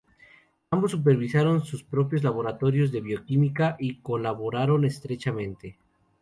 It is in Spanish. Ambos supervisaron sus propios laboratorios de bioquímica y colaboraron estrechamente.